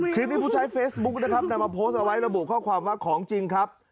ผู้ใช้เฟซบุ๊คนะครับนำมาโพสต์เอาไว้ระบุข้อความว่าของจริงครับ